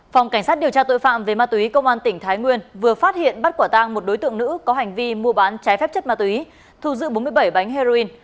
phòng cảnh sát điều tra tội phạm về ma túy công an tỉnh thái nguyên vừa phát hiện bắt quả tang một đối tượng nữ có hành vi mua bán trái phép chất ma túy thu giữ bốn mươi bảy bánh heroin